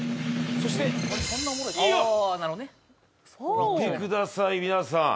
見てください皆さん。